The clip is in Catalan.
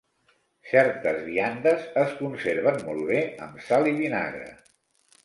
Certes viandes es conserven molt bé amb sal i vinagre.